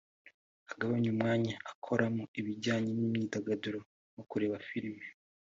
ugabanye umwanya ukoramo ibijyanye n'imyidagaduro nko kureba film